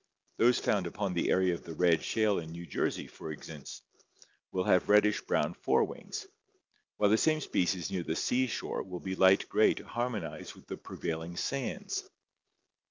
Those found upon the area of the red shale in New Jersey, for instance, will COLORATION AND MIMICRY 233 have reddish brown fore wings, while the same species near the sea shore will be light gray to harmonize with the prevailing sands.